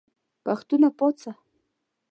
پښتونه پاڅه !